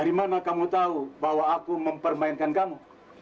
dari mana kamu tahu bahwa aku mempermainkan kamu